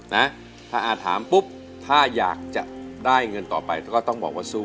นะถ้าอาถามปุ๊บถ้าอยากจะได้เงินต่อไปก็ต้องบอกว่าสู้